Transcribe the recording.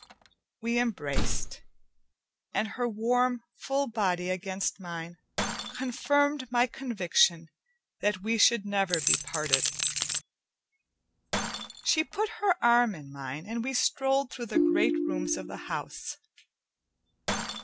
We embraced, and her warm full body against mine confirmed my conviction that we should never be parted. She put her arm in mine, and we strolled through the great rooms of the house.